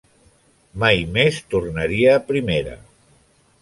Mai més tornaria a Primera.